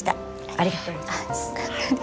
ありがとうございます。